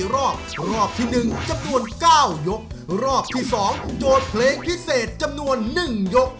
รอบที่๒โจทย์เพลงพิเศษจำนวน๑ยก